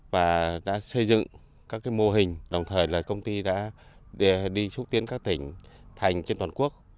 và đã xây dựng các mô hình đồng thời là công ty đã đi xúc tiến các tỉnh thành trên toàn quốc